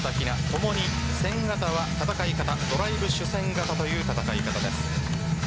共に戦型は戦い方ドライブ主戦型という戦い方です。